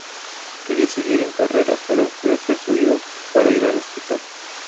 Quería seguir en carrera, pero fue persuadido para ir al hospital.